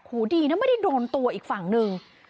ดีนะไม่ได้โดนตัวอีกฝั่งหนึ่ง